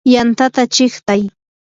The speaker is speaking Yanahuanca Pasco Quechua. yantata chiqtay.